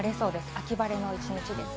秋晴れの一日です。